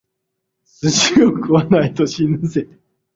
寿司を食わないと死ぬぜ！